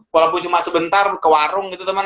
walaupun cuma sebentar ke warung gitu teman